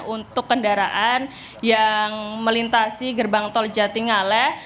untuk kendaraan yang melintasi gerbang tol jatinggale